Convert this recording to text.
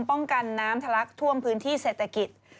ป้องกันน้ำทะลักท่วมพื้นที่เศรษฐกิจ